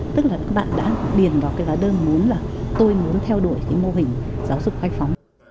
tức là các bạn đã điền vào cái hóa đơn muốn là tôi muốn theo đuổi cái mô hình giáo dục khách phóng